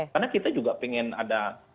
karena kita juga ingin ada